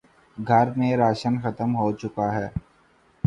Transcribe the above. گھر میں راشن ختم ہو چکا ہے